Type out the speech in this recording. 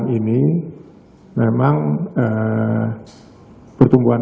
fruit bank indonesia memperkirakan